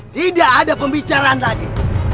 tidak ada pembicaraan lagi